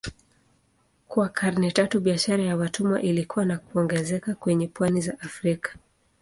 Kwa karne tatu biashara ya watumwa ilikua na kuongezeka kwenye pwani za Afrika.